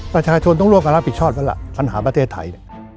ประชาชนต้องร่วงการรับผิดชอบเวลาขันหาประเทศไทย